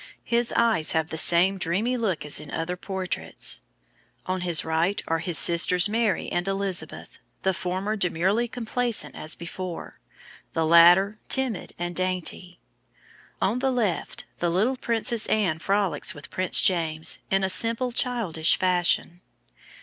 His eyes have the same dreamy look as in other portraits. On his right are his sisters Mary and Elizabeth, the former demurely complacent as before, the latter timid and dainty. On the left the little Princess Anne frolics with Prince James in simple childish fashion.